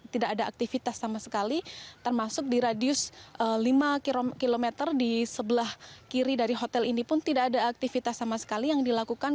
tidak ada aktivitas sama sekali termasuk di radius lima km di sebelah kiri dari hotel ini pun tidak ada aktivitas sama sekali yang dilakukan